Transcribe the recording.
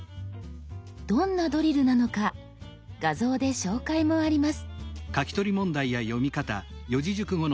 どんなドリルなのか画像で紹介もあります。